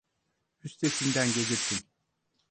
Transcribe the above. Üstesinden gelirsin.